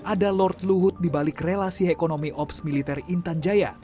ada lord luhut dibalik relasi ekonomi ops militer intan jaya